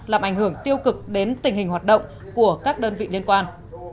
làm ảnh hưởng tiêu cực đến tình hình hoạt động của các đơn vị liên quan